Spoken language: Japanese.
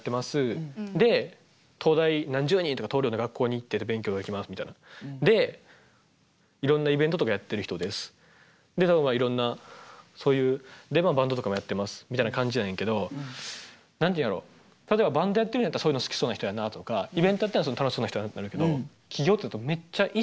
で東大何十人とか通るような学校に行ってて勉強ができますみたいな。でいろんなイベントとかやっている人です。でいろんなそういうまあバンドとかもやってますみたいな感じやねんけど何て言うんやろ例えばバンドやってるんやったらそういうの好きそうな人やなとかイベントをやってたら楽しそうな人やなってなるけど起業っていうとめっちゃ意識高そうに見えるやん。